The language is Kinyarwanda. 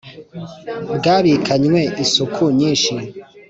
bwabikanywe isuku nyinshi